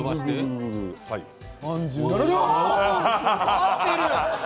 合ってる。